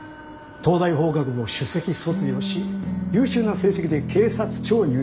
東大法学部を首席卒業し優秀な成績で警察庁入庁。